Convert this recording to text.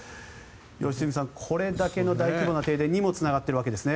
良純さん、これだけの大規模な停電にもつながっているわけですね。